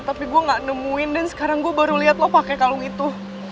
tapi gue gak nemuin dan sekarang gue baru lihat lo pakai kalung itu